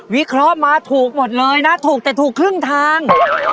วิเคราะห์มาถูกหมดเลยนะถูกแต่ถูกครึ่งทาง